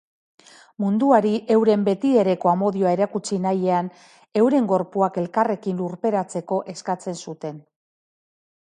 Munduari euren betiereko amodioa erakutsi nahiean, euren gorpuak elkarrekin lurperatzeko eskatzen zuten.